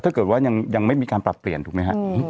ถ้าเกิดว่ายังไม่มีการปรับเปลี่ยนถูกไหมฮะ